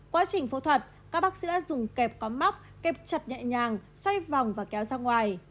quá trình phẫu thuật các bác sĩ đã dùng kẹp có móc kẹp chặt nhẹ nhàng xoay vòng và kéo sang ngoài